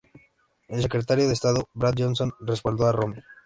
El secretario de estado Brad Johnson respaldó a Romney.